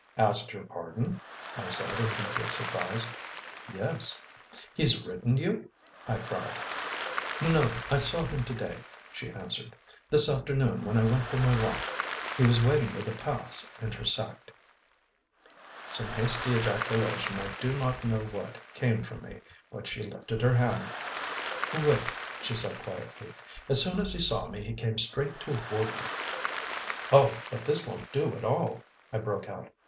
"Asked your pardon?" I said, in complete surprise. "Yes." "He's written you?" I cried. "No. I saw him to day," she answered. "This afternoon when I went for my walk, he was waiting where the paths intersect " Some hasty ejaculation, I do not know what, came from me, but she lifted her hand. "Wait," she said quietly. "As soon as he saw me he came straight toward me " "Oh, but this won't do at all," I broke out.